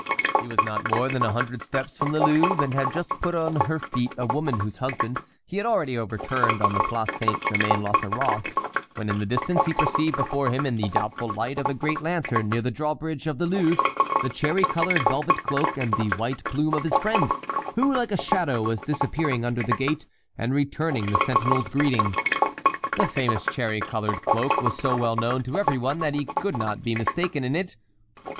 He was not more than a hundred steps from the Louvre, and had just put on her feet a woman whose husband he had already overturned on the Place Saint Germain l'Auxerrois, when in the distance he perceived before him in the doubtful light of a great lantern near the drawbridge of the Louvre the cherry colored velvet cloak and the white plume of his friend, who like a shadow was disappearing under the gate and returning the sentinel's greeting. The famous cherry colored cloak was so well known to every one that he could not be mistaken in it.